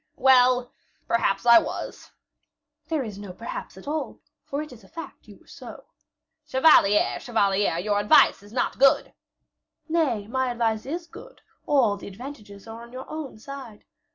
"Well, perhaps I was." "There is no perhaps at all, for it is a fact you were so." "Chevalier, chevalier, your advice is not good." "Nay, my advice is good; all the advantages are on your own side.